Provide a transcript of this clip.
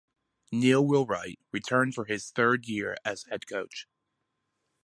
Neil Wheelwright returned for his third year as head coach.